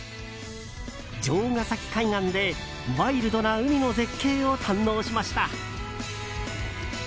城ヶ崎海岸でワイルドな海の絶景を堪能しました。